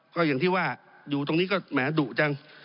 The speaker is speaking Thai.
ก็อย่างที่ว่าอยู่ตรงนี้ก็แหมดุจัง